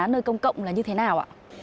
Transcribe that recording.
nơi công cộng là như thế nào